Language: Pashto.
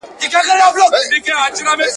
یو انار او سل بیمار ..